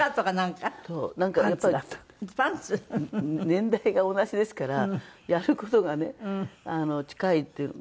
年代が同じですからやる事がね近いっていう。